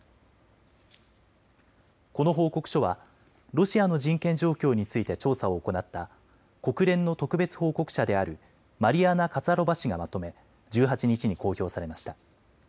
この報告書はロシアの人権状況について調査を行った国連の特別報告者であるマリアナ・カツァロバ氏がまとめ１８日に公表されました。